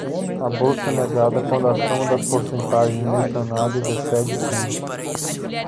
A bolsa é negada quando a soma das percentagens mencionadas excede cem.